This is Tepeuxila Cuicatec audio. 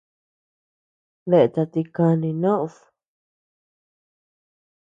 Dea tati kani nod.